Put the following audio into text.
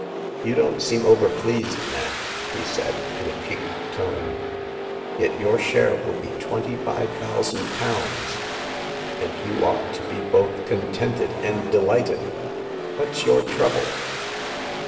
" You don't seem over pleased, Nat," he said, in a piqued tone, yet your share will be twen ty five thousand pounds ; and you ought to be both contented and delighted. What's your trouble